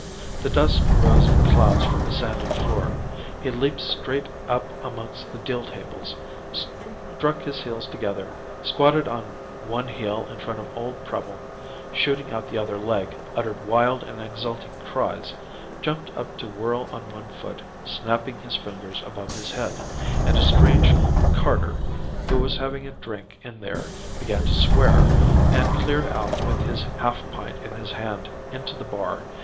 The dust rose in clouds from the sanded floor; he leaped straight up amongst the deal tables, struck his heels together, squatted on one heel in front of old Preble, shooting out the other leg, uttered wild and exulting cries, jumped up to whirl on one foot, snapping his fingers above his head and a strange carter who was having a drink in there began to swear, and cleared out with his half pint in his hand into the bar.